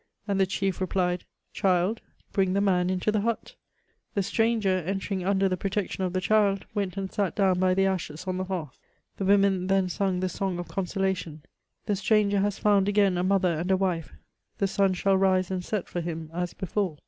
^* and the chief replied, Child^ bring the man into the hutJ" The stranger, entering under the pro tection of the child, went and sat down by the ashes on the hearth. The women then sung the song of consolation. '^ The stranger has found again a mother and a wife ; the sun shall rise and set for him as before."